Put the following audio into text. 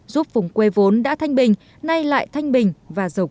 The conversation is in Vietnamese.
giúp vùng quê vốn đã thanh bình nay lại thanh bình và giàu có hơn